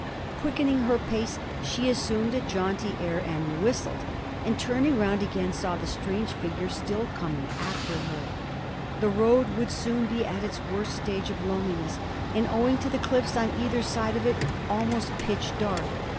Quickening her pace, she assumed a jaunty air and whistled, and turning round again, saw the strange figure still coming after her. The road would soon be at its worst stage of loneliness, and, owing to the cliffs on either side of it, almost pitch dark.